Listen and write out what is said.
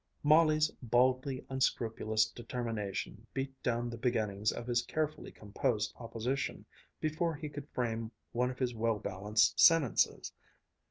Molly's baldly unscrupulous determination beat down the beginnings of his carefully composed opposition before he could frame one of his well balanced sentences.